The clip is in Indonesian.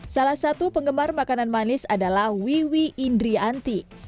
salah satu penggemar makanan manis adalah wiwi indrianti